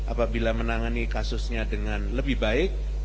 apabila menangani kasusnya dengan lebih baik